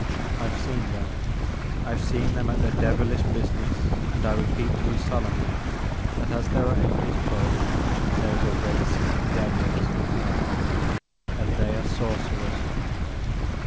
I 've seen them, — I 've seen them at their devilish business, and I repeat to you sol emnly, that as there are angels above, there is a race of devils on earth, and they are sorcerers.